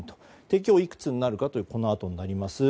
今日いくつになるかというのはこのあとになります。